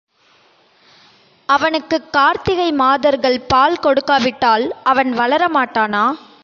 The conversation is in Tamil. அவனுக்குக் கார்த்திகை மாதர்கள் பால் கொடுக்காவிட்டால் அவன் வளர மாட்டானா?